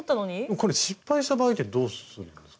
これ失敗した場合ってどうするんですか？